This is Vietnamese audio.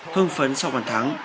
hưng phấn sau bàn thắng